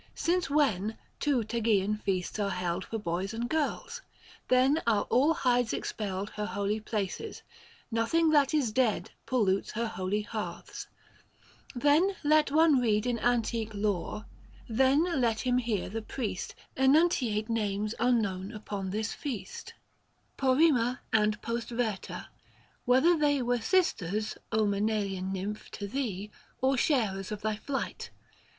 Since when, two Tegeaean feasts are held For boys and girls : then are all hides expelled Her holy places — nothing that is dead 675 Pollutes her holy hearths : then let one read In antique lore, then let him hear the priest Enuntiate names unknown upon this feast, L. G71. —" Senators," i. e. the Patres. 26 THE FASTI. Book I. Porrima and Postverta : whether they Were sisters, Msenalian nymph, to thee, 680 Or sharers of thy flight.